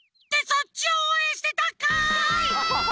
そっちをおうえんしてたんかい！